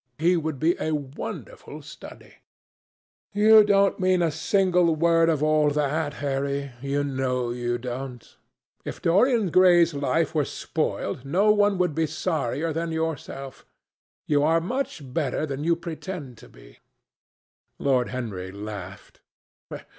He would be a wonderful study." "You don't mean a single word of all that, Harry; you know you don't. If Dorian Gray's life were spoiled, no one would be sorrier than yourself. You are much better than you pretend to be." Lord Henry laughed.